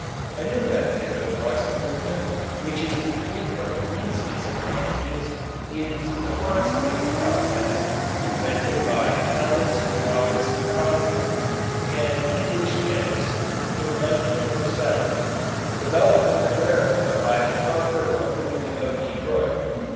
A new method of rust proofing which is free from these disadvantages is the phosphate process invented by Thomas Watts Coslett, an English chemist, in 1907, and developed in America by the Parker Company of Detroit.